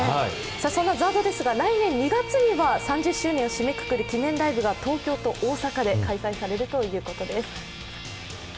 そんなＺＡＲＤですが、来年２月には３０周年を締めくくるライブが東京と大阪で開催されるということです。